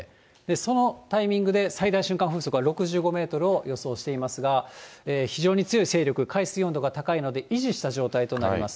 そのタイミングで、最大瞬間風速は６５メートルを予想していますが、非常に強い勢力、海水温度が高いので、維持した状態となります。